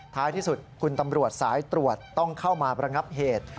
ท้ายที่สุดคุณตำรวจสายตรวจต้องเข้ามาประงับเหตุ